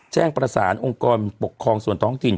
แจ้งประสานองค์กรปกครองส่วนท้องถิ่น